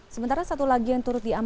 sementara satu lagi yang turut diangkat